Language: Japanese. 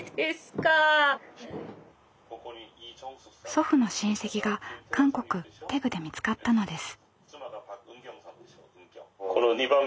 祖父の親戚が韓国テグで見つかったのです。